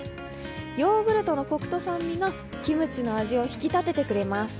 ヨーグルトのコクと酸味がキムチの味を引き立ててくれます。